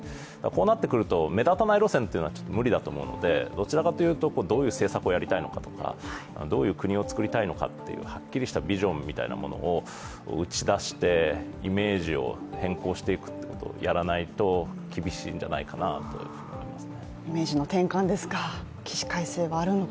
こうなってくると、目立たない路線というのは無理だと思うんでどういう政策をやりたいのかとかどういう国をつくりたいのかとかはっきりしたビジョンみたいなものを打ち出してイメージを変更していくってことをやらないと厳しいんじゃないかなと思います。